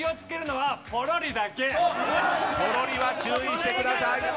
ポロリは注意してください。